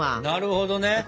なるほどね。